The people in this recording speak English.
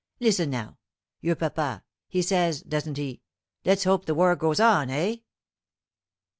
"Listen now. Your papa, he says, doesn't he, 'Let's hope the war goes on,' eh?"